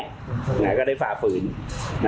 อาจารย์ก็ได้ฝ่าฝืน